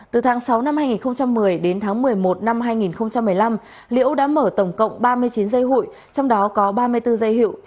từ tháng sáu năm hai nghìn một mươi đến tháng một mươi một năm hai nghìn một mươi năm liễu đã mở tổng cộng ba mươi chín dây hụi trong đó có ba mươi bốn dây hiệu